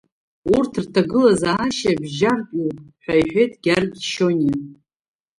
Урҭ рҭагылазаашьа бжьартәиуп, ҳәа иҳәеит Гьаргь Шьониа.